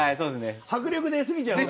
迫力出すぎちゃうんだ。